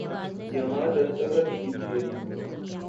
یہاں دستخط کیجئے